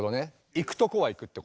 行くとこは行くってこと？